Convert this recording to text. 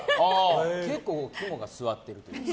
結構、肝が据わっているというか。